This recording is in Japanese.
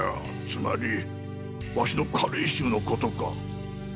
つまりわしの加齢臭のことか？